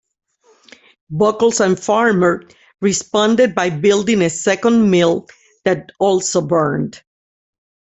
Buckles and Farmer responded by building a second mill that also burned.